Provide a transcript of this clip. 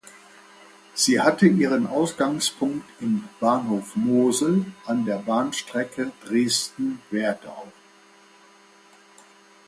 Sie hatte ihren Ausgangspunkt im „Bahnhof Mosel“ an der Bahnstrecke Dresden–Werdau.